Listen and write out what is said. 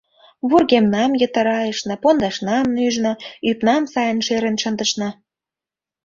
Вургемнам йытырайышна, пондашнам нӱжна, ӱпнам сайын шерын шындышна.